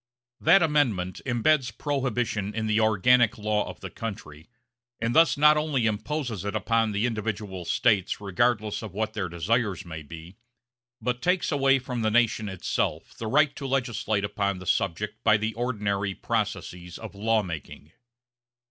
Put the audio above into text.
That Amendment imbeds Prohibition in the organic law of the country, and thus not only imposes it upon the individual States regardless of what their desires may be, but takes away from the nation itself the right to legislate upon the subject by the ordinary processes of law making.